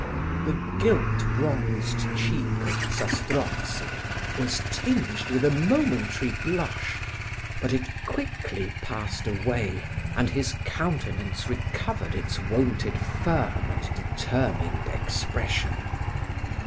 The guilt bronzed cheek of Zastrozzi was tinged with a momentary blush, but it quickly passed away, and his countenance recovered its wonted firm and determined expression.